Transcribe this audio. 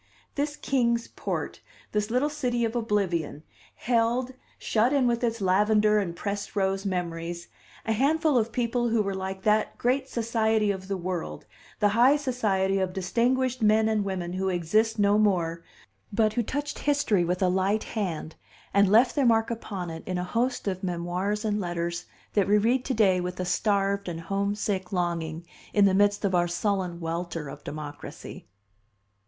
This Kings Port, this little city of oblivion, held, shut in with its lavender and pressed rose memories, a handful of people who were like that great society of the world, the high society of distinguished men and women who exist no more, but who touched history with a light hand, and left their mark upon it in a host of memoirs and letters that we read to day with a starved and home sick longing in the midst of our sullen welter of democracy.